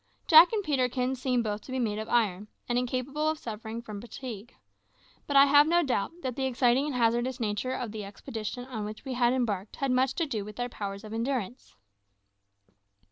Jack and Peterkin seemed both to be made of iron, and incapable of suffering from fatigue. But I have no doubt that the exciting and hazardous nature of the expedition on which we had embarked had much to do with our powers of endurance.